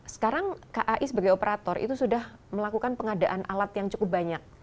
sekarang kai sebagai operator itu sudah melakukan pengadaan alat yang cukup banyak